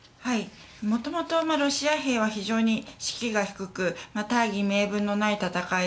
元々ロシア兵は非常に士気が低く大義名分のない戦い